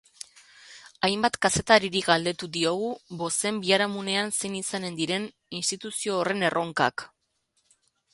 Hainbat kazetariri galdetu diogu bozen biharamunean zein izanen diren instituzio horren erronkak.